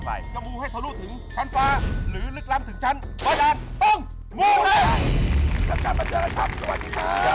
โปรดติดตามตอนต่อไป